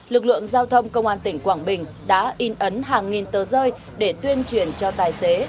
lực lượng giao thông công an tỉnh quảng bình đã in ấn hàng nghìn tờ rơi để tuyên truyền cho tài xế